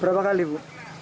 berapa kali bu